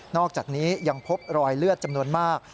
อกจากนี้ยังพบรอยเลือดจำนวนมาก